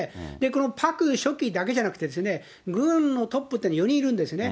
このパク書記だけじゃなくて、軍のトップっていうのは、４人いるんですね。